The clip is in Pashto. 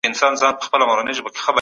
ستاسو په ذهن کي به د امید غوټۍ وغوړیږي.